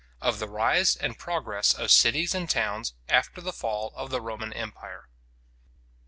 OF THE RISE AND PROGRESS OF CITIES AND TOWNS, AFTER THE FALL OF THE ROMAN EMPIRE.